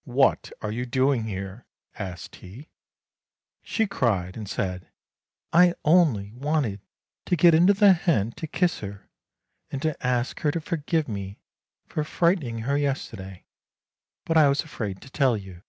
' What are you doing here ?' asked he. She cried and said, ' I only wanted to get into the hen to kiss her, and to ask her to forgive me for frightening her yesterday, but I was afraid to tell you.'